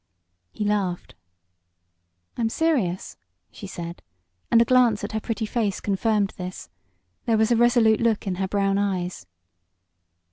He laughed. "I'm serious," she said, and a glance at her pretty face confirmed this. There was a resolute look in her brown eyes.